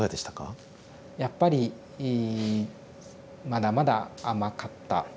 やっぱりまだまだ甘かった。